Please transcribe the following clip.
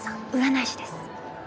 占い師です。